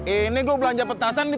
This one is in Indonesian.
ini gue belanja petasan nih